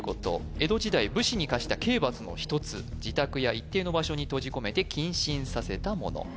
江戸時代武士に科した刑罰の一つ自宅や一定の場所に閉じ込めて謹慎させたもの